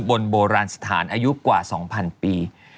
บนโบราณสถานอายุกว่า๒๐๐ปี